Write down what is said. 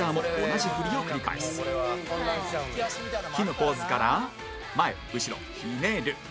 「ひ」のポーズから前後ろひねる